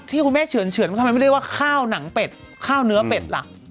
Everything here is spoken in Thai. ที่คุณแม่เฉือนว่าทำไมไม่เรียกว่าข้าวหนังเป็ดข้าวเนื้อเป็ดล่ะ